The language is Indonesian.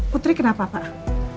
putri kenapa pak